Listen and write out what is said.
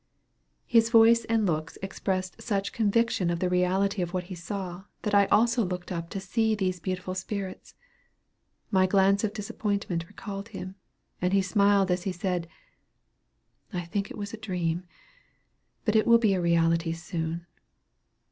His voice and looks expressed such conviction of the reality of what he saw, that I also looked up to see these beautiful spirits. My glance of disappointment recalled him; and he smiled as he said, "I think it was a dream; but it will be reality soon.